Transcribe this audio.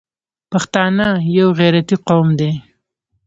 پښتانه یو غیرتي قوم دی.